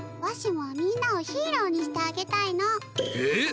わしもはみんなをヒーローにしてあげたいの。え？